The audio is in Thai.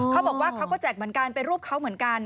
เขาบอกว่าเขาก็แจกเหมือนกันเป็นรูปเขาเหมือนกัน